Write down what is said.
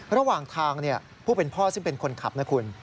ระหว่างทางผู้เป็นพ่อซึ่งเป็นคนขับนะคุณ